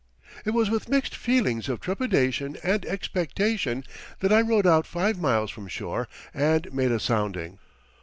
It was with mixed feelings of trepidation and expectation that I rowed out five miles from shore and made a sounding.